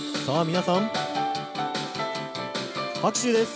皆さん拍手です！